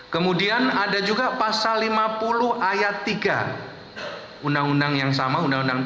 kemudian ada juga pasal lima puluh ayat tiga undang undang yang sama